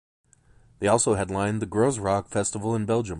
They also headlined the Groezrock festival in Belgium.